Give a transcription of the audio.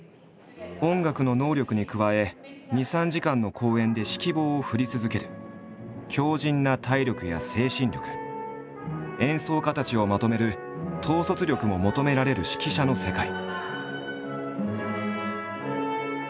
音楽の能力に加え２３時間の公演で指揮棒を振り続ける強靭な体力や精神力演奏家たちをまとめる統率力も求められる指揮者の世界。